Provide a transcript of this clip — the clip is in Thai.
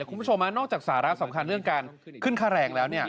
คุณผู้ชมนอกจากสาระสำคัญเรื่องการขึ้นค่าแรงแล้ว